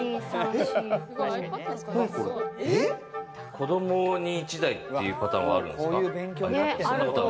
子どもに１台というパターンもあるんですか？